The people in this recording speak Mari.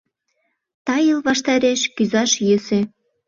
Тайыл ваштареш кӱзаш йӧсӧ